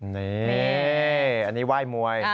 นี่อันนี้ไหว้มวย